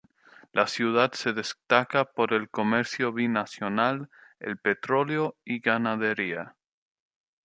La ciudad se destaca por el comercio binacional, el petróleo y ganadería.